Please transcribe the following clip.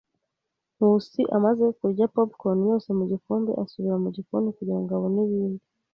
Nkusi amaze kurya popcorn yose mu gikombe, asubira mu gikoni kugira ngo abone ibindi.